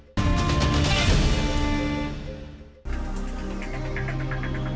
mereka sudah herald mengizmati dan melamar kami secara putus mae